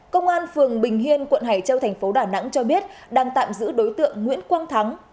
công an phường bình hiên quận hải châu thành phố đà nẵng cho biết đang tạm giữ đối tượng nguyễn quang thắng